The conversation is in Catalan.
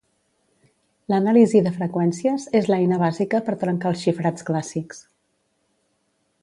L'anàlisi de freqüències és l'eina bàsica per trencar els xifrats clàssics.